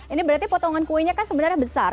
ini berarti potongan kuenya kan sebenarnya besar